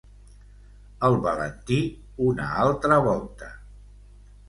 El Valentí, una altra volta...